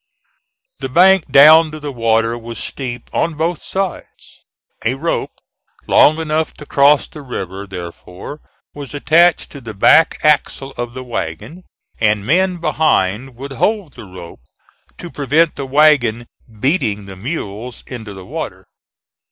The bank down to the water was steep on both sides. A rope long enough to cross the river, therefore, was attached to the back axle of the wagon, and men behind would hold the rope to prevent the wagon "beating" the mules into the water.